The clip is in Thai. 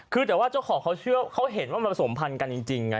คือแต่ว่าเจ้าของเขาเชื่อเขาเห็นว่ามันผสมพันธ์กันจริงไง